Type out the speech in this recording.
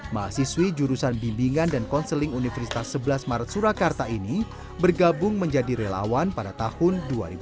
mahasiswi jurusan bimbingan dan konseling universitas sebelas maret surakarta ini bergabung menjadi relawan pada tahun dua ribu dua